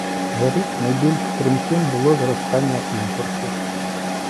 за рік найбільш стрімким було зростання імпорту